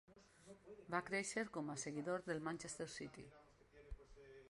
Va créixer com a seguidor del Manchester City.